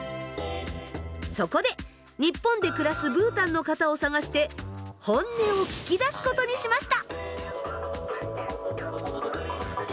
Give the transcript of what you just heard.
そこで日本で暮らすブータンの方を探して本音を聞き出すことにしました。